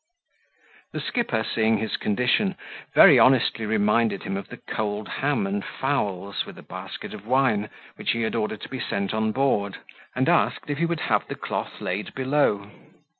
The skipper seeing his condition, very honestly reminded him of the cold ham and fowls, with a basket of wine which he had ordered to be sent on board, and asked if he would have the cloth laid below.